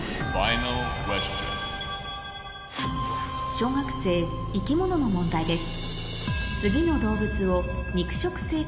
小学生生き物の問題です